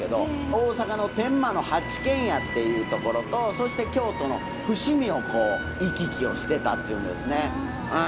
大阪の天満の八軒家っていう所とそして京都の伏見をこう行き来をしてたっていうですねうん。